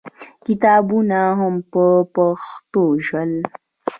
کتابونه هم په پښتو شول.